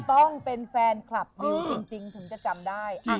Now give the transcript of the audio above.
ต้องเป็นแฟนคลับมิ้วจริงถึงจะจำได้